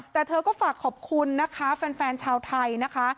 แต่เธอก็ฝากขอบคุณนะคะแฟนชาวไทยนะคะ